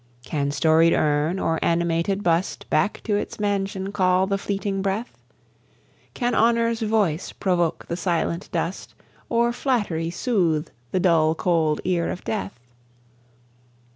Can storied urn or animated bust Back to its mansion call the fleeting breath? Can Honour's voice provoke the silent dust, Or Flatt'ry soothe the dull cold ear of Death?